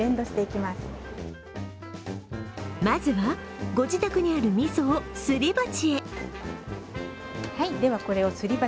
まずはご自宅にあるみそをすり鉢へ。